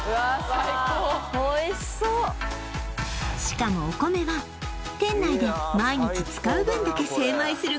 最高おいしそうしかもお米は店内で毎日使う分だけ精米する